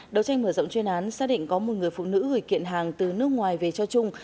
đầu tranh mở rộng chuyên án xác định có một người phụ nữ gửi kiện hàng từ nước ngoài về cho trung